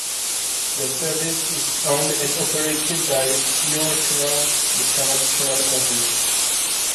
The service is owned and operated by Eurotunnel, the Channel Tunnel owners.